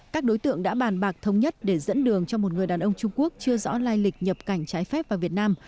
các đối tượng đã bàn bạc thống nhất để dẫn đường cho một người đàn ông trung quốc chưa rõ lai lịch nhập cảnh trái phép vào việt nam